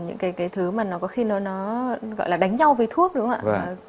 những cái chất những cái thứ mà có khi nó gọi là đánh nhau với thuốc đúng không ạ